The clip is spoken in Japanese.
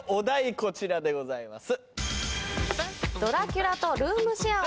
こちらでございます。